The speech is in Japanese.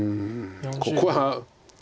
ここは。